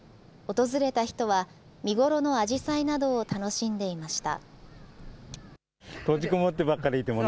訪れた人は、見頃のあじさいなどを楽しんでいました。